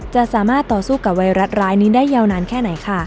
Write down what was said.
จะสามารถต่อสู้กับไวรัสร้ายนี้ได้ยาวนานแค่ไหนค่ะ